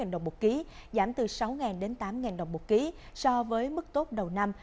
hai mươi hai hai mươi bốn đồng một ký giảm từ sáu tám đồng một ký so với mức tốt đầu năm